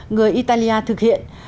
người italia thực hiện